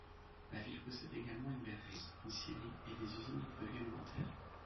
La ville possède également une verrerie, une scierie et des usines de produits alimentaires.